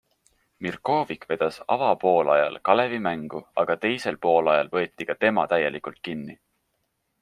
Mirkovic vedas avapoolajal Kalevi mängu, aga teisel poolajal võeti ka tema täielikult kinni.